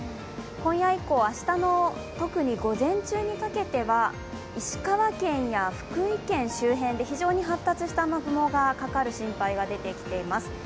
今夜以降、明日の、特に午前中にかけては石川県や福井県周辺で非常に発達した雨雲がかかる心配が出てきています。